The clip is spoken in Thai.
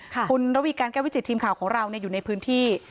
คุณระวีการแก้ววิจิตทีมข่าวของเราอยู่ในพื้นที่